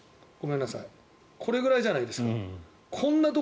これぐらいじゃないですか。